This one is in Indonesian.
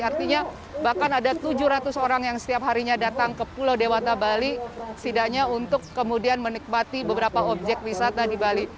artinya bahkan ada tujuh ratus orang yang setiap harinya datang ke pulau dewata bali setidaknya untuk kemudian menikmati beberapa objek wisata di bali